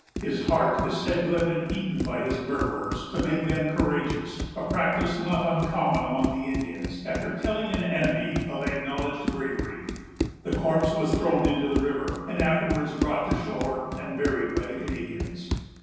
His heart is said to have been eaten by his murderers, to make them courageous; a practice not uncommon among Indians, after killing an enemy of acknowledged bravery. The corpse was thrown into the river, and afterwards brought to shore and buried by the Canadians.